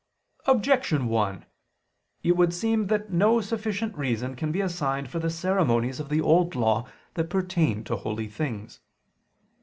Objection 1: It would seem that no sufficient reason can be assigned for the ceremonies of the Old Law that pertain to holy things.